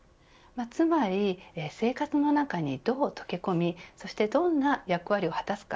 つまり生活の中にどう溶け込みそしてどんな役割を果たすか。